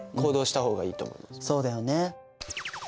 そうだよね。